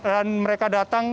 dan mereka datang